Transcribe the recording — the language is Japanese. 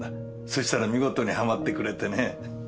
そしたら見事にハマってくれてね。